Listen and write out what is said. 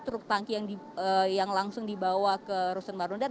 truk tangki yang langsung dibawa ke rusun marunda